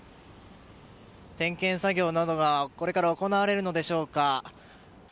点検作業などがこれから行われるのでしょうか。